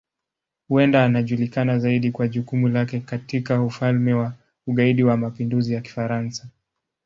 Huenda anajulikana zaidi kwa jukumu lake katika Ufalme wa Ugaidi wa Mapinduzi ya Kifaransa.